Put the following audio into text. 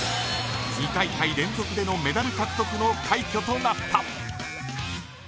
２大会連続でのメダル獲得の快挙となった。